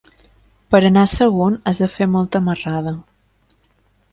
Per anar a Sagunt has de fer molta marrada.